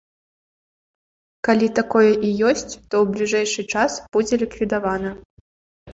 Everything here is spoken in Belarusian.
Калі такое і ёсць, то ў бліжэйшы час будзе ліквідавана.